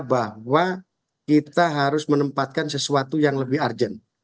bahwa kita harus menempatkan sesuatu yang lebih urgent